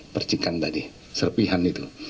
percikan tadi serpihan